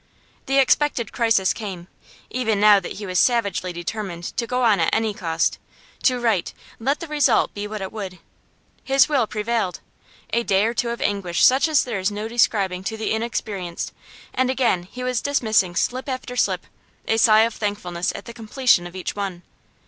The expected crisis came, even now that he was savagely determined to go on at any cost, to write, let the result be what it would. His will prevailed. A day or two of anguish such as there is no describing to the inexperienced, and again he was dismissing slip after slip, a sigh of thankfulness at the completion of each one.